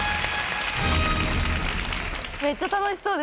めっちゃ楽しそうです。